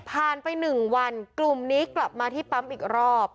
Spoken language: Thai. ไป๑วันกลุ่มนี้กลับมาที่ปั๊มอีกรอบ